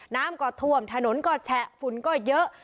น้ำก็ท่วมถนนก็แฉะฝุ่นก็เยอะ